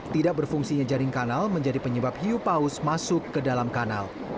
tidak berfungsinya jaring kanal menjadi penyebab hiu paus masuk ke dalam kanal